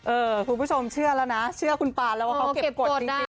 คุณผู้ชมเชื่อแล้วนะเชื่อคุณปานแล้วว่าเขาเก็บกฎจริง